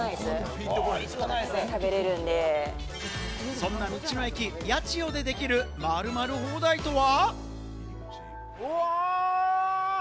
そんな道の駅やちよでできる〇〇放題とは？